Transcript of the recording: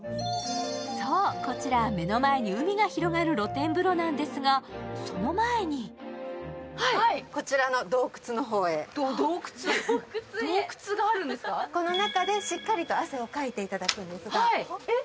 そう、こちら、目の前に海が広がる露天風呂なんですが、その前にこの中でしっかりと汗をかいていただくんです。